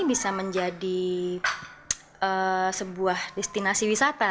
maka mungkin dipersepsi sekali buat warga yang lebih sejahtera